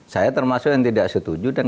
saya termasuk yang tidak setuju dan